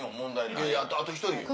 いやいやあと１人。